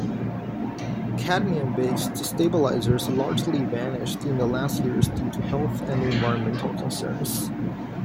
Cadmium-based stabilizers largely vanished in the last years due to health and environmental concerns.